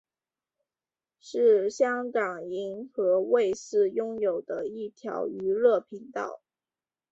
是香港银河卫视拥有的一条娱乐频道。